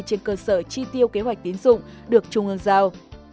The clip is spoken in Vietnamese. trên cơ sở chi tiêu kế hoạch tiến dụng được trung ương giao